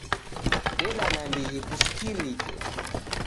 Deda nandighi kusikirike.